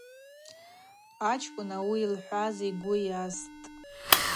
Ачкӏвын ауи йылхӏваз йгвы йастӏ.